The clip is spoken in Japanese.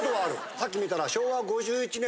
さっき見たら。